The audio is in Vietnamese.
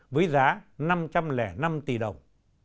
với giá năm trăm linh năm tỷ đồng